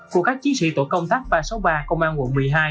của các chiến sĩ tổ công tác ba trăm sáu mươi ba công an quận một mươi hai